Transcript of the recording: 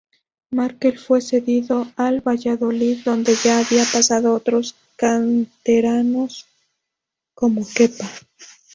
Markel fue cedido al Valladolid donde ya habían pasado otros canteranos como Kepa.